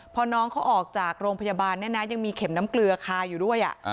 พอน้องเขาออกจากโรงพยาบาลเนี่ยนะยังมีเข็มน้ำเกลือคาอยู่ด้วย